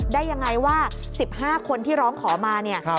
ได้ยังไงว่า๑๕คนที่ร้องขอมาเนี่ย